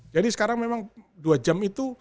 jadi sekarang memang dua jam itu